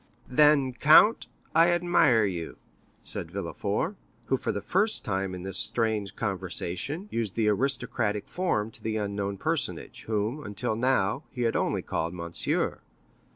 "Then, count, I admire you," said Villefort, who, for the first time in this strange conversation, used the aristocratic form to the unknown personage, whom, until now, he had only called monsieur.